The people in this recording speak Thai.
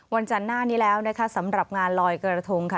จันทร์หน้านี้แล้วนะคะสำหรับงานลอยกระทงค่ะ